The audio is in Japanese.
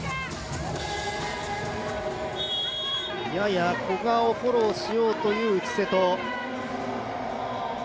やや古賀をフォローしようという内瀬戸。